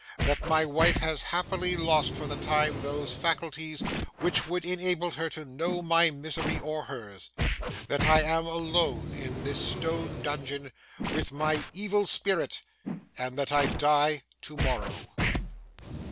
That my wife has happily lost for the time those faculties which would enable her to know my misery or hers. That I am alone in this stone dungeon with my evil spirit, and that I die to morrow.